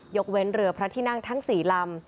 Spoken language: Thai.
กเว้นเรือพระที่นั่งทั้ง๔ลำ